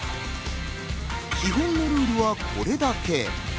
基本のルールはこれだけ。